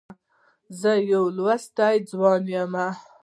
زه يو لوستی ځوان یم.